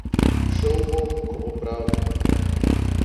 Šel bom, ko opravim.